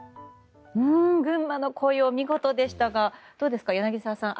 群馬の紅葉見事でしたがどうですか、柳澤さん